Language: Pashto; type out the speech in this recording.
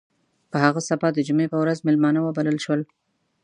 په هغه سبا د جمعې په ورځ میلمانه وبلل شول.